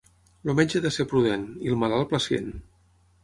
El metge ha de ser prudent i, el malalt, pacient.